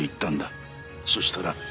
そしたら。